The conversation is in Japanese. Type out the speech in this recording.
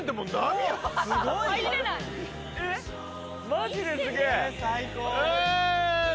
マジですげえ。